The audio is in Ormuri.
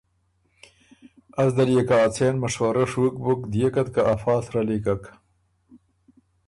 از ده ليې که ا څېن مشورۀ ڒُوک بُک، ديېکت که ا فا سرۀ لیکک